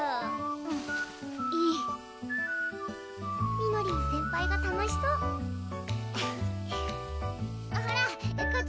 うんいいみのりん先輩が楽しそうほらこっち